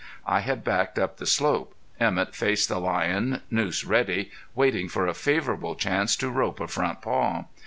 I had backed up the slope. Emett faced the lion, noose ready, waiting for a favorable chance to rope a front paw.